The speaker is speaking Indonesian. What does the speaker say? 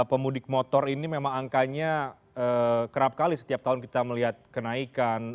pemudik motor ini memang angkanya kerap kali setiap tahun kita melihat kenaikan